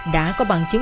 đã có bằng chứng